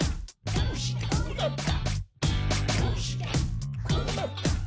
どうしてこうなった？」